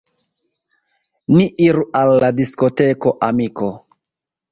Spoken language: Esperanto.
Ni iru al la diskoteko, amiko!